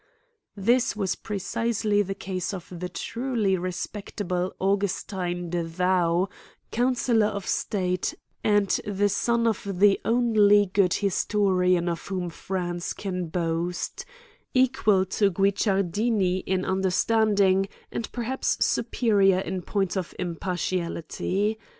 This was precisely the case of the truly res pectable Augustine de Thou, counsellor of state, and the son of the only good historian of whom France can boast, equal to Guicciardini in under standing, and perhaps superior in point of impar tiality.